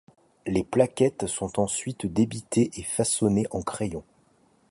Les plaquettes sont ensuite débitées et façonnées en crayons.